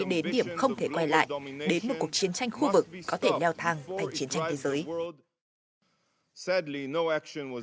đến điểm không thể quay lại đến một cuộc chiến tranh khu vực có thể leo thang thành chiến tranh thế giới